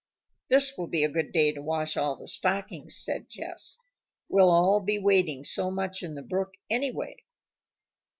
"This will be a good day to wash all the stockings," said Jess. "We'll all be wading so much in the brook, anyway."